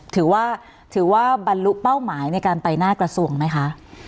ถือว่าถือว่าบรรลุเป้าหมายในการไปหน้ากระทรวงไหมคะ